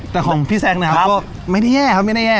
แต่ของพี่แซคนะครับก็ไม่ได้แย่ครับไม่ได้แย่